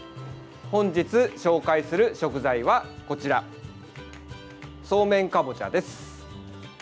本日紹介する食材は、こちらそうめんかぼちゃです。